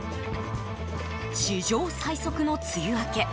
史上最速の梅雨明け